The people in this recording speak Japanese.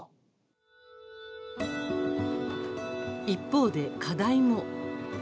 一方で課題も。